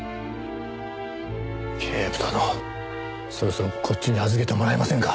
警部殿そろそろこっちに預けてもらえませんか？